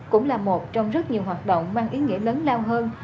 cũng là một trong rất nhiều hoạt động mang ý nghĩa lớn lao hơn